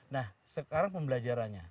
nah sekarang pembelajarannya